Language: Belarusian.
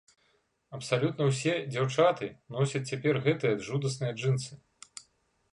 Абсалютна ўсе дзяўчаты носяць цяпер гэтыя жудасныя джынсы.